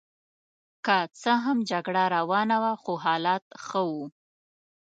که څه هم جګړه روانه وه خو حالات ښه وو.